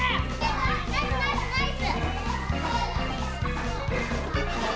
ナイスナイスナイス！